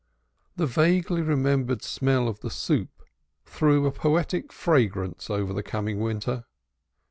The vaguely remembered smell of the soup threw a poetic fragrance over the coming winter.